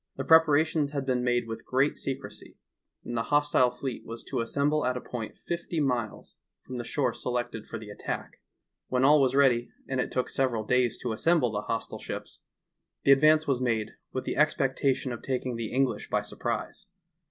The preparations had been made with great secrecy, and the hostile fleet was to assem ble at a point fifty miles from the shore selected for the attack. When all was ready, and it took several days to assemble the hostile ships, the advance was made with the expectation of taking the English by surprise.